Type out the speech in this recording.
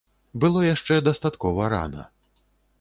Было яшчэ дастаткова рана.